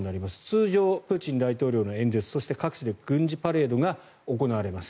通常、プーチン大統領の演説そして、各地で軍事パレードが行われます。